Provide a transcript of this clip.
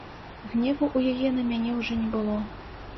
Гневу ў яе на мяне ўжо не было.